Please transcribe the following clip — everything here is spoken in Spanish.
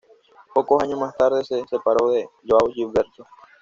Pocos años más tarde se separó de João Gilberto.